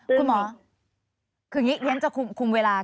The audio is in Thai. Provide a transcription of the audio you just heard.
คุณหมอคืออย่างนี้เรียนจะคุมเวลา